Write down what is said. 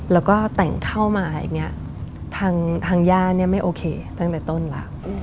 แล้วก็แต่งเข้ามาอย่างนี้ทางย่าเนี่ยไม่โอเคตั้งแต่ต้นแล้ว